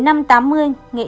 năm tám mươi nghe